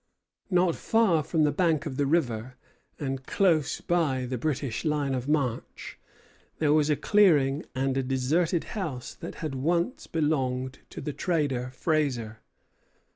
Not far from the bank of the river, and close by the British line of march, there was a clearing and a deserted house that had once belonged to the trader Fraser.